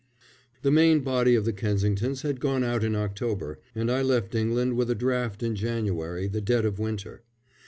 ] The main body of the Kensingtons had gone out in October, and I left England with a draft in January, the dead of winter.